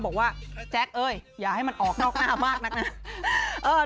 บอกว่าแจ๊คเอ้ยอย่าให้มันออกนอกหน้ามากนักนะ